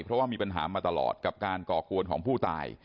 เพราะว่ามีปัญหามาตลอดกับการก่อกวนของผู้ตาย